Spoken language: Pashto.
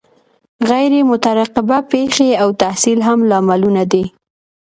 غیر مترقبه پیښې او تحصیل هم لاملونه دي.